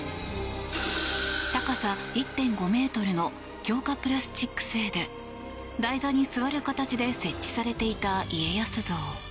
高さ１．５ｍの強化プラスチック製で台座に座る形で設置されていた家康像。